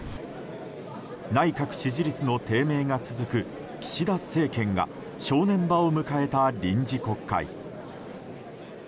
内閣支持率の低迷が続く岸田政権が正念場を迎えた臨時国会。